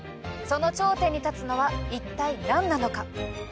その頂点に立つのは一体なんなのか。